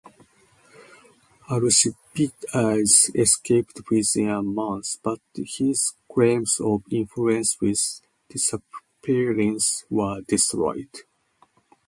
Alcibiades escaped within a month, but his claims of influence with Tissaphernes were destroyed.